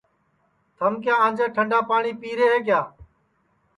تھم کیا آنجے ٹھنڈا پاٹؔی پیرے ہے کیا